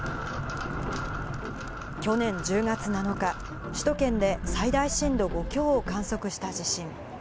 去年１０月７日、首都圏で最大震度５強を観測した地震。